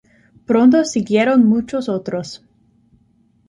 Pronto siguieron muchos otros.